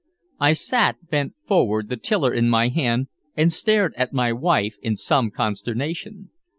I sat, bent forward, the tiller in my hand, and stared at my wife in some consternation.